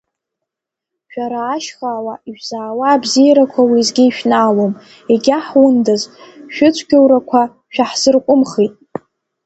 Шәара ашьхауаа ишәзаауа абзиарақәа уеизгьы ишәнаалом, егьа ҳундаз шәыцә-гьоурақәа шәаҳзырҟәымхит!